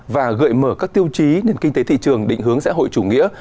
và gợi mở các tiêu chí nền kinh tế thị trường định hướng xã hội chủ nghĩa